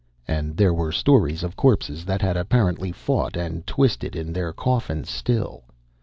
And there were stories of corpses that had apparently fought and twisted in their coffins still.